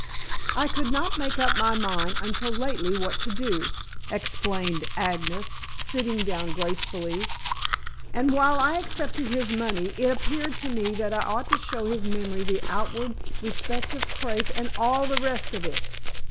"I could not make up my mind until lately what to do," explained Agnes, sitting down gracefully, "and while I accepted his money it appeared to me that I ought to show his memory the outward respect of crape and all the rest of it.